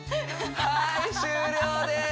はい終了です